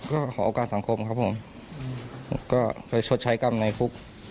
ก็ขอโอกาสสังคมครับผมก็ไปชดใช้กรรมในคุก